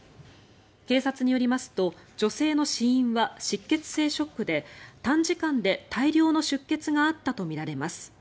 警察によりますと女性の死因は失血性ショックで短時間で大量の出血があったとみられます。